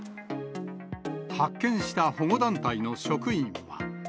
発見した保護団体の職員は。